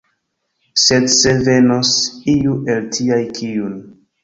Sed se venos iu el tiaj, kiun.